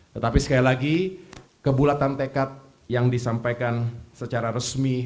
tetapi sekali lagi kebulatan tekad yang disampaikan secara resmi